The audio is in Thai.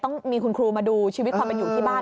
ต้องมีคุณครูมาดูชีวิตความเป็นอยู่ที่บ้าน